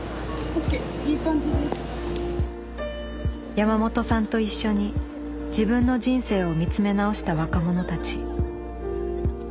山本さんと一緒に自分の人生を見つめ直した若者たち。